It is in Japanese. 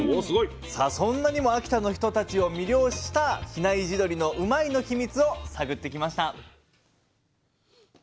そんなにも秋田の人たちを魅了した比内地鶏のうまいのヒミツを探ってきました。